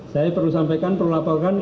saya perlu sampaikan perlu laporkan